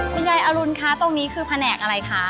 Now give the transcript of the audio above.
ยายอรุณคะตรงนี้คือแผนกอะไรคะ